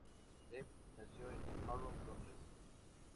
Dev nació en Harrow, Londres.